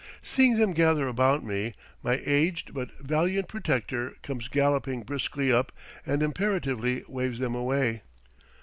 Seeing them gather about me, my aged but valiant protector comes galloping briskly up and imperatively waves them away.